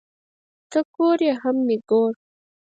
ته کور یې هم مې گور